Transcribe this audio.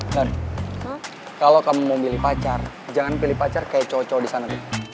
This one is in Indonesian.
nani kalo kamu mau pilih pacar jangan pilih pacar kayak cowok cowok di sana